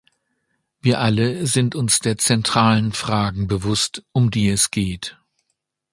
Wir alle sind uns der zentralen Fragen bewusst, um die es geht.